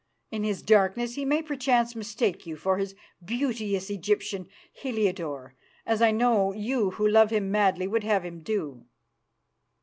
In his darkness he may perchance mistake you for the beauteous Egyptian, Heliodore, as I know you who love him madly would have him do."